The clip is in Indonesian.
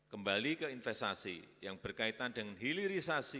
kembali ke investasi yang berkaitan dengan hilirisasi